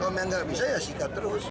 kalau memang nggak bisa ya sikat terus